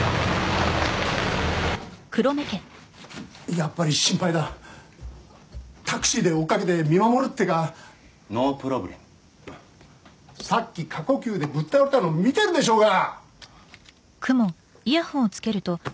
やっぱり心配だタクシーで追っかけて見守るってかノープロブレムさっき過呼吸でぶっ倒れたの見てるでしょうが！